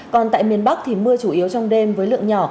còn tại miền bắc thì mưa chủ yếu trong đêm với lượng nhỏ